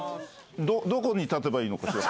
どこに立てばいいのかしら。